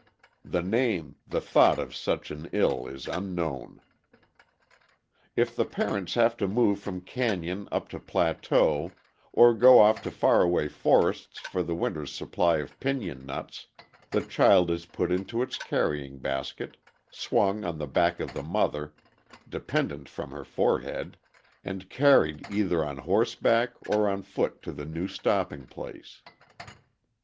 The name, the thought of such an ill is unknown. If the parents have to move from canyon up to plateau, or go off to far away forests for the winter's supply of pinion nuts, the child is put into its carrying basket, swung on the back of the mother, dependent from her forehead, and carried either on horseback or on foot to the new stopping place.